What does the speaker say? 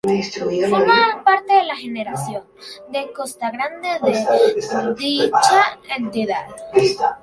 Forma parte de la región de Costa Grande de dicha entidad.